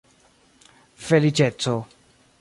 feliĉeco